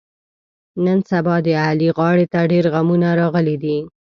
نن سبا د علي غاړې ته ډېرغمونه راغلي دي.